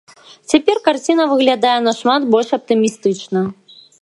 Цяпер карціна выглядае нашмат больш аптымістычна.